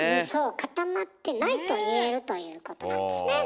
「固まってない」と言えるということなんですね。